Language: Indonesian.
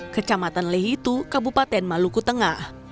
kecamatan lehitu kabupaten maluku tengah